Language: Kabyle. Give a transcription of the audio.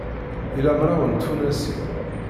Ila mraw n tfunasin.